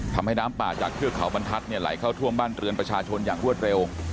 ทำให้น้ำป่าจากเทือกเขาบรรทัศน์ไหลเข้าท่วมบ้านเรือนประชาชนอย่างรวดเร็ว